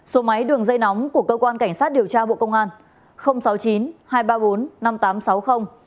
số máy đường dây nóng của cơ quan cảnh sát điều tra bộ công an sáu mươi chín hai trăm ba mươi bốn năm nghìn tám trăm sáu mươi